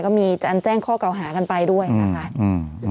ก็มีอันแจ้งข้อเก่าหากันไปด้วยครับค่ะ